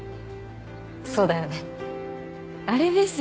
そうだよねあれですよ